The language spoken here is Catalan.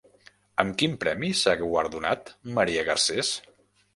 Amb quin premi s'ha guardonat Marina Garcés?